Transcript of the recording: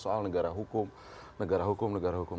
soal negara hukum negara hukum negara hukum